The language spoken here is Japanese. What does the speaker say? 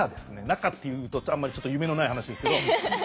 中って言うとあんまりちょっと夢のない話ですけど。